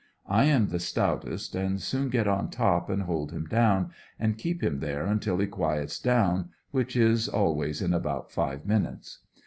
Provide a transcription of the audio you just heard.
I am the stoutest, and soon get on top and hold him down, and keep him there until he quiets down, which is always in about five minutes.